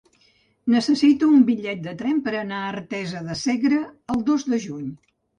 Necessito un bitllet de tren per anar a Artesa de Segre el dos de juny.